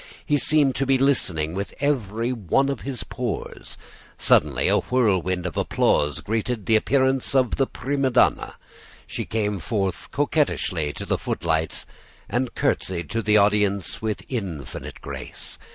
He seemed to be listening with every one of his pores. Suddenly a whirlwind of applause greeted the appearance of the prima donna. She came forward coquettishly to the footlights and curtsied to the audience with infinite grace.